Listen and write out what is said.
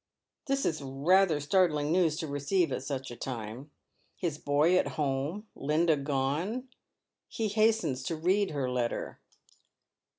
This is rather startling news to receive at such a time. His boy at home, Linda gone. He hastens to read her letter.